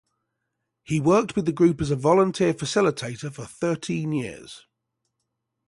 He worked with the group as a volunteer facilitator for thirteen years.